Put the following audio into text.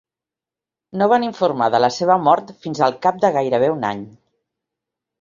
No van informar de la seva mort fins al cap de gairebé un any.